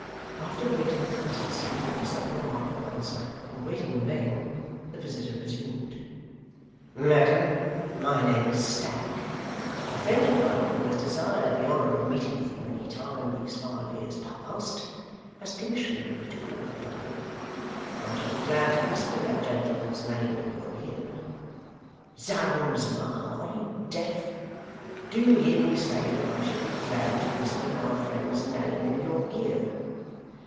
After waiting, as it seemed, for some remark or answer, and waiting in vain, the visitor resumed: 'Madam, my name is Stagg. A friend of mine who has desired the honour of meeting with you any time these five years past, has commissioned me to call upon you. I should be glad to whisper that gentleman's name in your ear. Zounds, ma'am, are you deaf? Do you hear me say that I should be glad to whisper my friend's name in your ear?